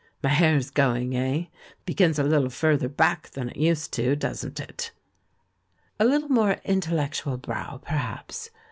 "]My hair's going, eh? begins a little further back than it used to, doesn't it?" "A little more intellectual brow, perhaps